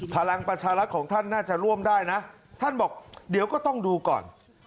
พลังประชารัฐของท่านน่าจะร่วมได้นะท่านบอกเดี๋ยวก็ต้องดูก่อน